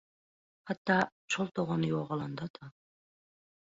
Hatda şol dogany ýogalanda-da.